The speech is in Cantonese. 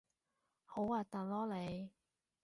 好核突囉你